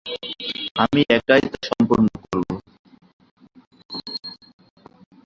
আমি একাই তা সম্পন্ন করব।